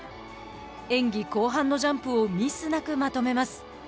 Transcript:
演技後半のジャンプをミスなくまとめます。